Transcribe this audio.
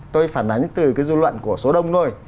tôi phản ánh từ cái dư luận của số đông thôi